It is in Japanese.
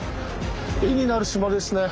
絵になる島ですね。